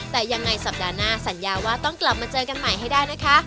แต่ยังไงสัปดาห์หน้าสัญญาว่าต้องกลับมาเจอกันใหม่ให้ได้นะคะ